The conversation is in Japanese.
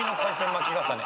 巻き重ね。